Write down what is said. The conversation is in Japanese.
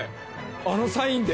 あのサインで？